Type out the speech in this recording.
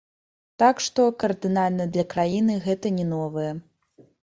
Так што кардынальна для краіны гэта не новае.